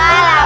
ya lah pak